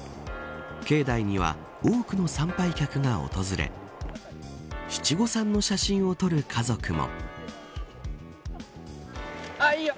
境内には多くの参拝客が訪れ七五三の写真を撮る家族も。